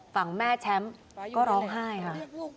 ฝั่งแม่แชมป์ก็ร้องไห้ค่ะ